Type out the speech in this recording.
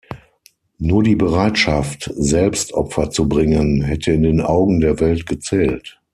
Nur die Bereitschaft, selbst Opfer zu bringen, hätte in den Augen der Welt gezählt.